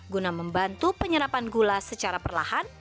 guna membantu penyerapan gula secara perlahan